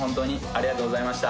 ありがとうございます。